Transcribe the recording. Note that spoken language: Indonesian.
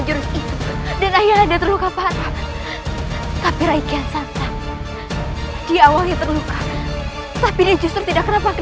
justru terlihat seperti semakin kuat